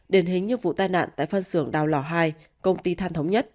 đền hình như vụ tai nạn tại phân xưởng đào lò hai công ty than thống nhất